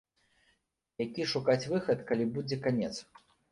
Які шукаць выхад, калі будзе канец?